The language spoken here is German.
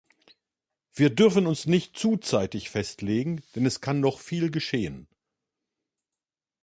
Wir dürfen uns nicht zu zeitig festlegen, denn es kann noch viel geschehen.